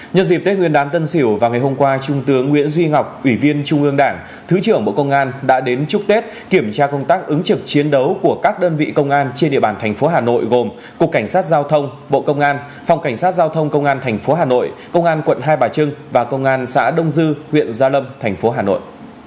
nhân dịp tết nguyên đán tân sỉu vào ngày hôm qua trung tướng nguyễn duy ngọc ủy viên trung ương đảng thứ trưởng bộ công an đã đến chúc tết kiểm tra công tác ứng trực chiến đấu của các đơn vị công an trên địa bàn thành phố hà nội gồm cục cảnh sát giao thông bộ công an phòng cảnh sát giao thông công an tp hà nội công an quận hai bà trưng và công an xã đông dư huyện gia lâm thành phố hà nội